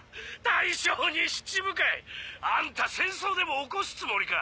大将に七武海！あんた戦争でも起こすつもりか！？